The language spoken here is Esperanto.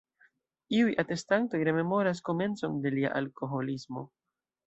Iuj atestantoj rememoras komencon de lia alkoholismo.